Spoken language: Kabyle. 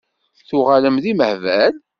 Tuɣalem d imehbal?